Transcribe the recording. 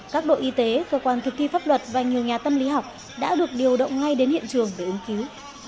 các đội y tế cơ quan thực thi pháp luật và nhiều nhà tâm lý học đã được điều động ngay đến hiện trường để ứng cứu